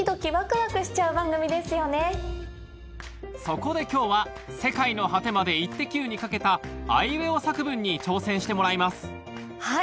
そこで今日は『世界の果てまでイッテＱ！』に掛けたあいうえお作文に挑戦してもらいます